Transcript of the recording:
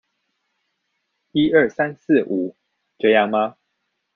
一二三四五，這樣嗎？